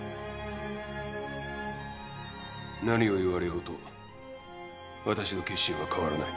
何を言われようと私の決心は変わらない。